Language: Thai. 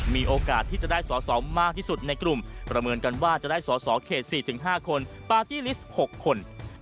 มีโอกาสที่จะได้สอสอมากที่สุดในกลุ่มประเมินกันว่าจะได้สอสอเขต๔๕คนปาร์ตี้ลิสต์๖คน